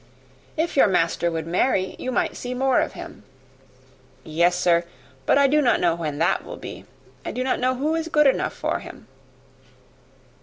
"If your master would marry, you might see more of him." "Yes, sir; but I do not know when that will be. I do not know who is good enough for him."